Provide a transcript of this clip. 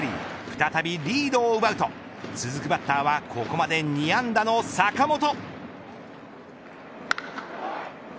再びリードを奪うと続くバッターはここまで２安打の坂本。